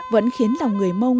vẫn khiến lòng người mông